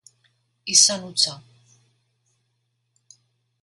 Izan hutsa